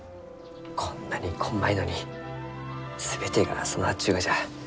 こんなにこんまいのに全てが備わっちゅうがじゃ。